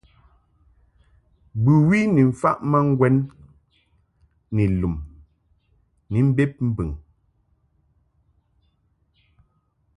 Bɨwi ni mfaʼ ma ŋgwɛn ni lum ni mbeb mbɨŋ.